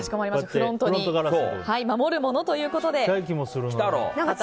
フロントを守るものということで。